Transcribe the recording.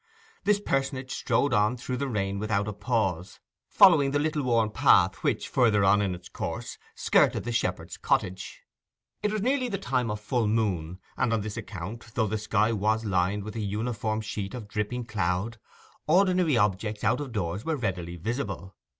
This personage strode on through the rain without a pause, following the little worn path which, further on in its course, skirted the shepherd's cottage. It was nearly the time of full moon, and on this account, though the sky was lined with a uniform sheet of dripping cloud, ordinary objects out of doors were readily visible.